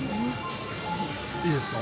いいですか？